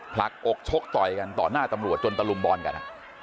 ผลักอกชกต่อยกันต่อหน้าตำรวจจนตะลุมบอลกัน